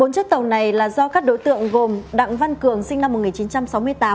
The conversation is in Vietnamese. bốn chiếc tàu này là do các đối tượng gồm đặng văn cường sinh năm một nghìn chín trăm sáu mươi tám